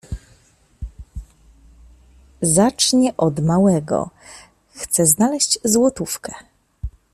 Zacznie od małego: „Chcę znaleźć złotówkę!”.